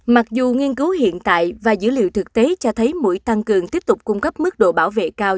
mặc dù nghiên cứu hiện tại và dữ liệu thực tế cho thấy mũi tăng cường tiếp tục cung cấp mức độ bảo vệ cao